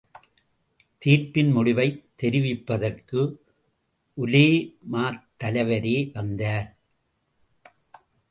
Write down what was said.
தீர்ப்பின் முடிவைத் தெரிவிப்பதற்கு உலேமாத்தலைவரே வந்தார்.